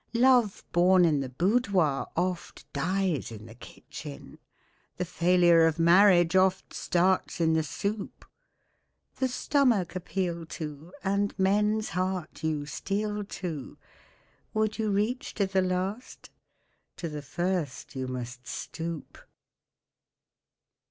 Love born in the boudoir oft dies in the kitchen, The failure of marriage oft starts in the soup. The stomach appeal to, and men's heart you steal to Would you reach to the last? To the first you must stoop.